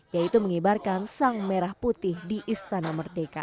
yaitu mengibarkan sang merah putih di istana merdeka